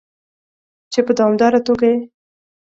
چې په دوامداره توګه یې